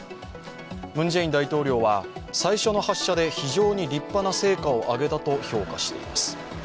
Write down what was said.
ムン・ジェイン大統領は最初の発射で非常に立派な成果を挙げたと評価しました。